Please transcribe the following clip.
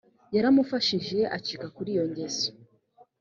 yaramufashije acika kuri iyo ngeso